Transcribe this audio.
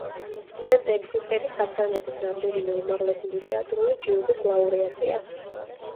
სენტ-ეგზიუპერი საფრანგეთის რამდენიმე უმაღლესი ლიტერატურული ჯილდოს ლაურეატია.